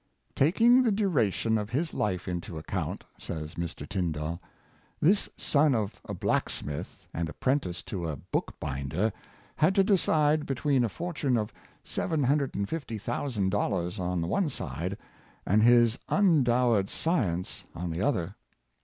" Taking the duration of his life into account," says Mr. Tyndall, " this son of a blacksmith and apprentice to a book binder had to decide between a fortune of $750,000 on the one side, and his undowered science on the other.